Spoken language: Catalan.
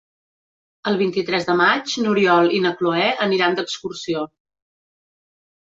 El vint-i-tres de maig n'Oriol i na Cloè aniran d'excursió.